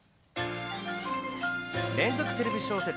連続テレビ小説